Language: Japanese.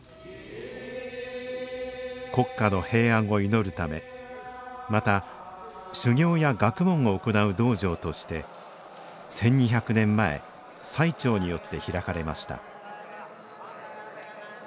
国家の平安を祈るためまた修行や学問を行う道場として１２００年前最澄によって開かれました